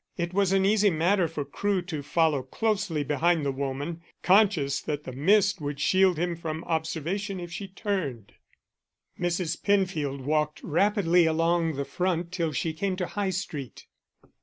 It was an easy matter for Crewe to follow closely behind the woman, conscious that the mist would shield him from observation if she turned. Mrs. Penfield walked rapidly along the front till she came to High Street.